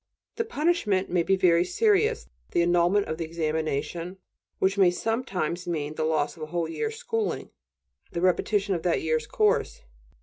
The punishment may be very serious: the annulment of the examination, which may sometimes mean the loss of a whole year's schooling, the repetition of that year's course.